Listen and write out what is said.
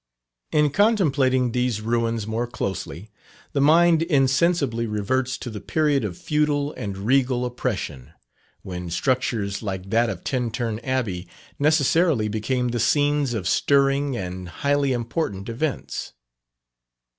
In contemplating these ruins more closely, the mind insensibly reverts to the period of feudal and regal oppression, when structures like that of Tintern Abbey necessarily became the scenes of stirring and highly important events.